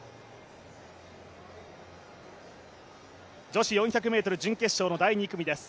女子４００ｍ準決勝第２組です。